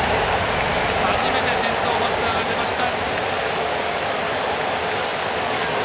初めて先頭バッターが出ました。